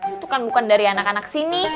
itu kan bukan dari anak anak sini